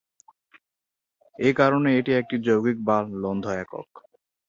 একারণে এটি একটি যৌগিক বা লব্ধ একক।